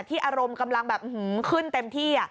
อารมณ์กำลังแบบขึ้นเต็มที่